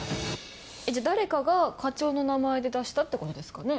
じゃあ誰かが課長の名前で出したってことですかね？